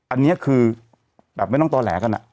อันนี้คือแบบไม่ต้องต่อแหลกัน